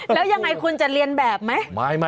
แล้วยังไงคุณจะเรียนแบบไหม